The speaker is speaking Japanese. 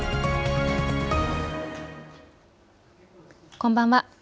こんばんは。